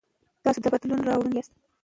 تاسو د بدلون راوړونکي یاست.